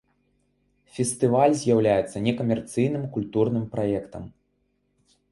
Фестываль з'яўляецца некамерцыйным культурным праектам.